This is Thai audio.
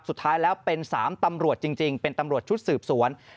สุดท้ายแล้วเป็น๓ตำรวจจริงเป็นตำรวจชุดสืบสวน